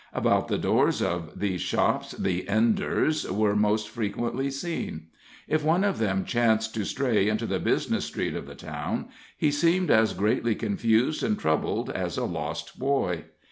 About the doors of these shops the "Enders" were most frequently seen. If one of them chanced to stray into the business street of the town, he seemed as greatly confused and troubled as a lost boy.